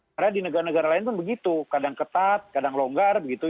karena di negara negara lain pun begitu kadang ketat kadang longgar begitu